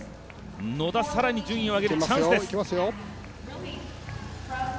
更に順位を上げるチャンスです。